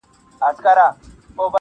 ستا به هم بلا ګردان سمه نیازبیني,